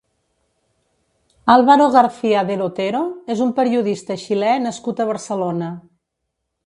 Álvaro García del Otero és un periodista xilè nascut a Barcelona.